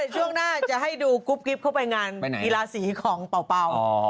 ช่วงหน้าจะให้ดูกรุ๊ปกิ๊บเข้าไปงานกีฬาสีของเป่า